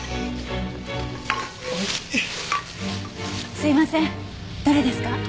すみませんどれですか？